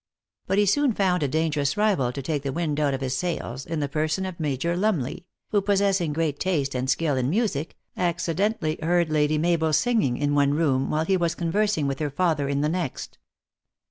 But he soon found a dangerous rival to take the wind out of his sails, in the person of Major Lurnley, who, pos sessing great taste and skill in music, accidentally heard Lady Mabel singing in one room, while he was conversing with her father in the next.